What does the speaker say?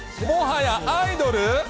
もはやアイドル？